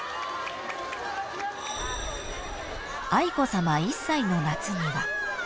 ［愛子さま１歳の夏には］